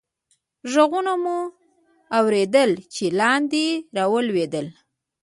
ږغونه مو اورېدل، چې لاندې رالوېدل.